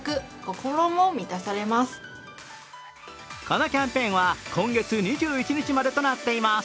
このキャンペーンは今月２１日までとなっています。